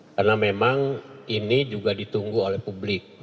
karena memang ini juga ditunggu oleh publik